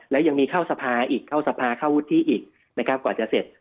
แล้วยังมีเข้าสภาอีกเข้าสภาเข้าวุฒิอีกนะครับกว่าจะเสร็จ